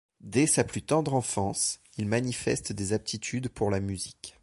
Dès sa plus tendre enfance, il manifeste des aptitudes pour la musique.